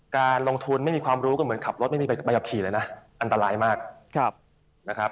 การลงทุนไม่มีความรู้ก็เหมือนขับรถไม่มีใบขับขี่เลยนะอันตรายมากนะครับ